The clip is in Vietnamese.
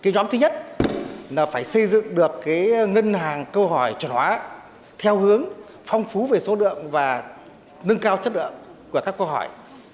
nhóm thứ nhất là phải xây dựng được ngân hàng câu hỏi chuẩn hóa theo hướng phong phú về số lượng và nâng cao chất lượng của các câu hỏi